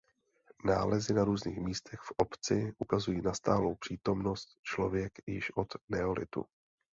Nálezy na různých místech v obci ukazují na stálou přítomnost člověk již od neolitu.